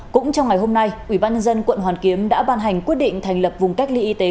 cũng trong ngày hôm nay ubnd quận hoàn kiếm đã ban hành quyết định thành lập vùng cách ly y tế